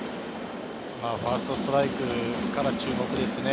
ファーストストライクから注目ですね。